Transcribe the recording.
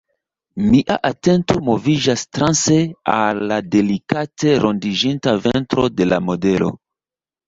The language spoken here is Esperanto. Mia atento moviĝas transe al la delikate rondiĝinta ventro de la modelo.